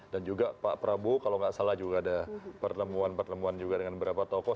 dan juga pak prabowo kalau tidak salah juga ada pertemuan pertemuan juga dengan beberapa tokoh